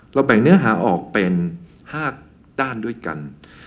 แบ่งเนื้อหาออกเป็น๕ด้านด้วยกัน